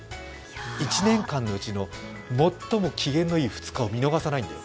１年間のうちの最も機嫌のいい２日を見逃さないんだよ。